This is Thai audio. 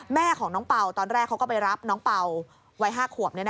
แม่ของน้องเป่าตอนแรกเขาก็ไปรับน้องเป่าวัย๕ขวบ